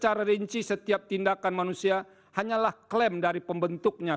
saya meyakini bahwa tidak ada aturan hukum yang seharusnya diaturkan pada aturan hukum pemilu